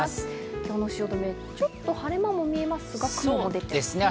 今日の汐留、ちょっと晴れ間も見えますが、雲も出てますね。